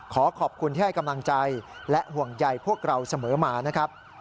ขอขอบคุณที่ให้กำลังใจและห่วงใยพวกเราเสมอมานะครับ